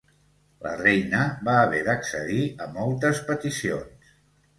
La reina va haver d'accedir a moltes peticions.